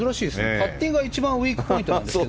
パッティングが一番ウィークポイントなんですけど。